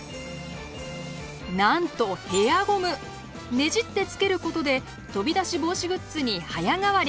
ねじってつけることで飛び出し防止グッズに早変わり。